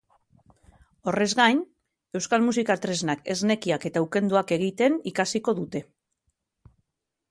Horrez gain, euskal musika-tresnak, esnekiak eta ukenduak egiten ikasiko dute.